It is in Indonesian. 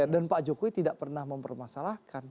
dan pak jokowi tidak pernah mempermasalahkan